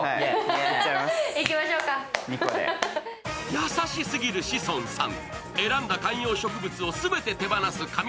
優しすぎる志尊さん。